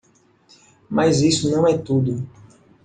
Mas isso não é tudo.